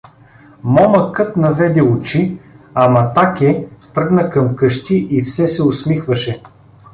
Момъкът наведе очи, а Матаке тръгна към къщи и все се усмихваше.